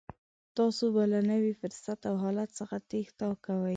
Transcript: تاسې به له نوي فرصت او حالت څخه تېښته کوئ.